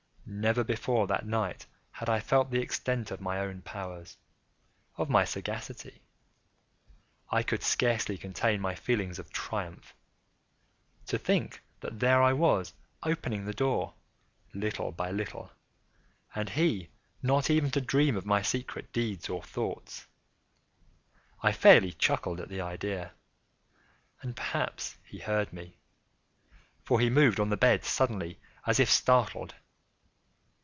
Never before that night had I felt the extent of my own powers—of my sagacity. I could scarcely contain my feelings of triumph. To think that there I was, opening the door, little by little, and he not even to dream of my secret deeds or thoughts. I fairly chuckled at the idea; and perhaps he heard me; for he moved on the bed suddenly, as if startled.